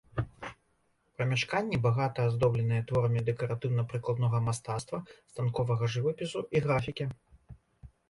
Памяшканні багата аздобленыя творамі дэкаратыўна-прыкладнога мастацтва, станковага жывапісу і графікі.